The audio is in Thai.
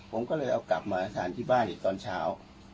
ผมก็เลยเอากลับมาทานที่บ้านอีกตอนเช้า